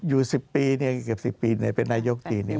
อยู่สิบปีเนี่ยเกือบสิบปีเนี่ยเป็นนายกตีเนี่ย